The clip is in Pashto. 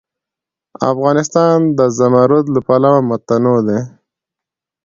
افغانستان د زمرد له پلوه متنوع دی.